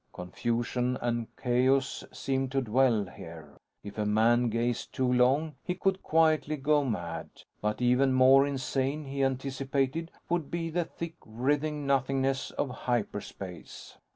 Confusion and chaos seemed to dwell here; if a man gazed too long, he could quietly go mad. But even more insane, he anticipated, would be the thick, writhing nothingness of hyperspace.